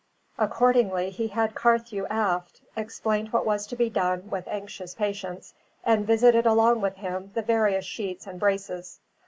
Accordingly he had Carthew aft, explained what was to be done with anxious patience, and visited along with him the various sheets and braces.